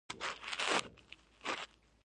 چین له روسیې سره سوداګري ډېره کړې.